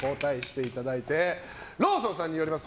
ローソンさんによります